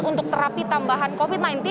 untuk terapi tambahan covid sembilan belas